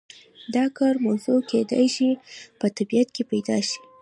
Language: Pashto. د کار موضوع کیدای شي په طبیعت کې پیدا شي.